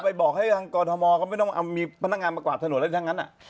บอกให้ทางกรทมก็ไม่ต้องเอามีพนักงานมากวาดถนนอะไรทั้งนั้น